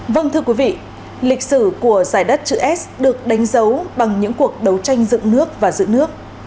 vâng thưa quý vị lịch sử của giải đất chữ s được đánh dấu bằng những cuộc đấu tranh dựng nước và giữ nước